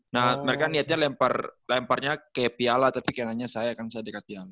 nah mereka niatnya lemparnya kayak piala tapi kayaknya saya kan saya dekat yang